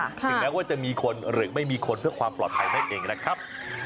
ถึงแม้ว่าจะมีคนหรือไม่มีคนเพื่อความปลอดภัยนั่นเองนะครับ